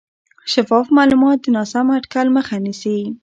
شفاف معلومات د ناسم اټکل مخه نیسي.